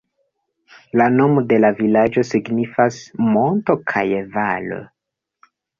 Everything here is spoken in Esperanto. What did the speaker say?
La nomo de la vilaĝo signifas "Monto kaj Valo".